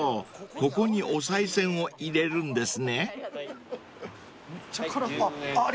ここにおさい銭を入れるんですね］はい１０円。